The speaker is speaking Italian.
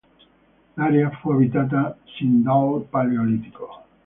L'area fu abitata sin dal Paleolitico.